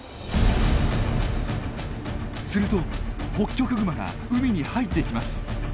するとホッキョクグマが海に入っていきます。